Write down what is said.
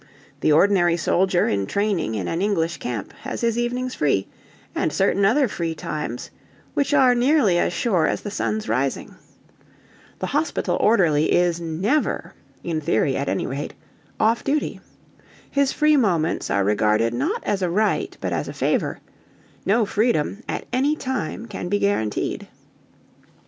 The ordinary soldier in training in an English camp has his evenings free, and certain other free times, which are nearly as sure as the sun's rising. The hospital orderly is never in theory at any rate off duty. His free moments are regarded not as a right but as a favour: no freedom, at any time, can be guaranteed.